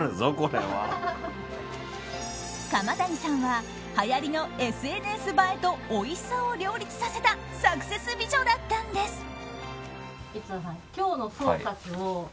釜谷さんははやりのＳＮＳ映えとおいしさを両立させたサクセス美女だったんです！